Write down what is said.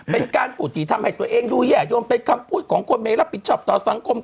เป็นการพูดที่ทำให้ตัวเองดูแย่โยมเป็นคำพูดของคนไม่รับผิดชอบต่อสังคม